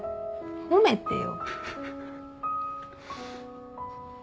褒めてよ。